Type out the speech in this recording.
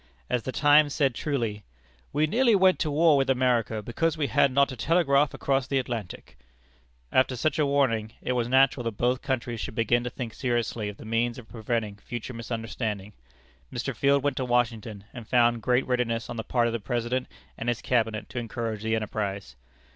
As The Times said truly: "We nearly went to war with America because we had not a telegraph across the Atlantic." After such a warning, it was natural that both countries should begin to think seriously of the means of preventing future misunderstanding. Mr. Field went to Washington, and found great readiness on the part of the President and his Cabinet to encourage the enterprise.